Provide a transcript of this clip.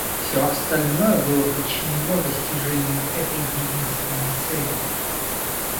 Все остальное было подчинено достижению этой единственной цели.